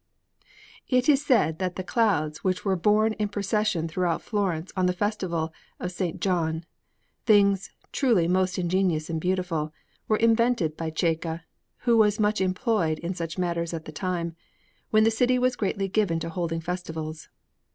It is said that the Clouds which were borne in procession throughout Florence on the festival of S. John things truly most ingenious and beautiful were invented by Cecca, who was much employed in such matters at that time, when the city was greatly given to holding festivals.